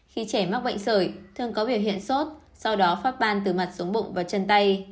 khi trẻ mắc bệnh sởi thường có biểu hiện sốt sau đó phát ban từ mặt xuống bụng và chân tay